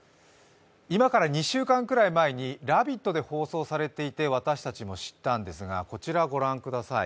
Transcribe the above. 今から２週間くらい前に「ラヴィット！」で放送されていて私たちも知ったんですが、こちらをご覧ください。